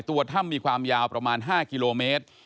ตัวถ้ำมีความยาวประมาณ๕กิโลเมตร